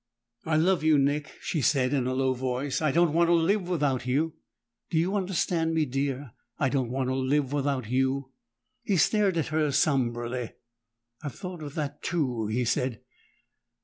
"I love you, Nick!" she said in a low voice. "I don't want to live without you. Do you understand me, dear? I don't want to live without you!" He stared at her somberly. "I've thought of that too," he said.